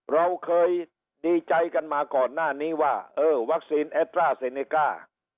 เราเคยดีใจกันมาก่อนหน้านี้ว่าเออวัคซีนแอดร่าเซเนก้า